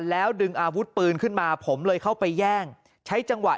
แล้วดึงอาวุธปืนขึ้นมาผมเลยเข้าไปแย่งใช้จังหวะ